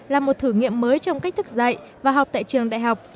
là một thử nghiệm mới trong cách thức dạy và học tại trường đại học